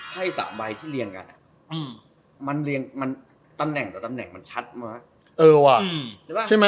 ให้ตามใบที่เรียงกันตำแหน่งต่อตำแหน่งมันชัดไหมวะ